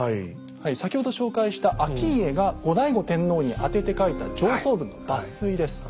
先ほど紹介した顕家が後醍醐天皇に宛てて書いた上奏文の抜粋です。